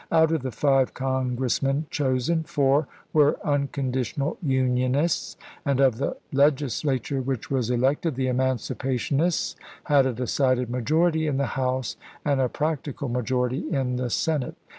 Out of the five Congressmen chosen, "Tribune Almanac." four were Unconditional Unionists ; and of the Legislatui^e which was elected, the Emancipation ists had a decided majority in the House and a practical majority in the Senate.